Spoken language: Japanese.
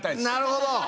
なるほど。